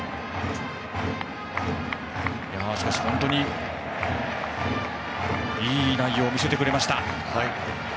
本当に、いい内容を見せてくれました。